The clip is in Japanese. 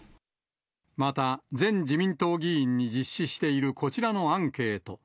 また全自民党議員に実施しているこちらのアンケート。